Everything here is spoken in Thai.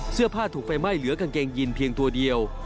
เสื้อผ้าถูกไฟไหม้เหลือกางเกงยินเพียงตัวเดียว